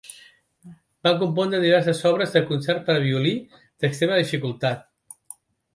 Va compondre diverses obres de concert per a violí, d'extrema dificultat.